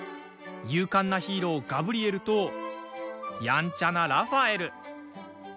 勇敢なヒーロー、ガブリエルとやんちゃなラファエル。